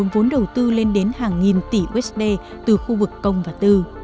vốn đầu tư lên đến hàng nghìn tỷ usd từ khu vực công và tư